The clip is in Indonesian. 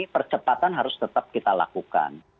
percepatan harus tetap kita lakukan